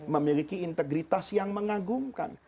memiliki integritas yang mengagumkan